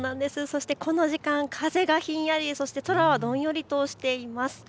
そしてこの時間、風がひんやり、そして空はどんよりとしています。